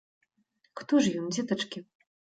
Хто ж ён, дзетачкі?